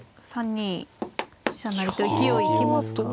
３二飛車成と勢い行きますか。